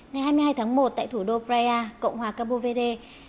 ngày hai mươi hai tháng một tại thủ đô praia cộng hòa cabo verde